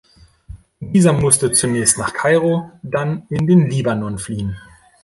Dieser musste zunächst nach Kairo, dann in den Libanon fliehen.